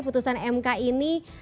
putusan mk ini